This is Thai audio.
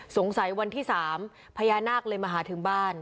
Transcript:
สงสัยวันที่สามพญานาคเลยมาหาถึงบ้าน